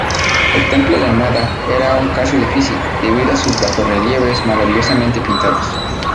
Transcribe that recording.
El templo de Amada era un caso difícil, debido a sus bajorrelieves maravillosamente pintados.